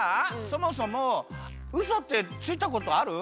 そもそもウソってついたことある？